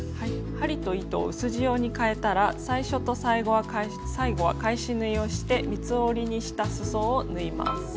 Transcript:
針と糸を薄地用にかえたら最初と最後は返し縫いをして三つ折りにしたすそを縫います。